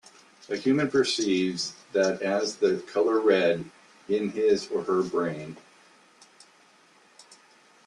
A human perceives that as the color red in his or her brain.